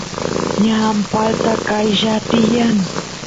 ñan palta qaylla tiyan